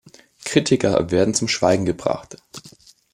Kritiker werden zum Schweigen gebracht.